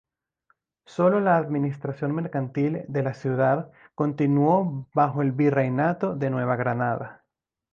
Solo la administración mercantil de la ciudad continuó bajo el Virreinato de Nueva Granada.